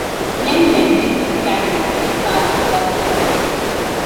Glenn then picks up Carol and starts across the dam.